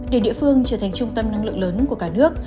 để địa phương trở thành trung tâm năng lượng lớn của cả nước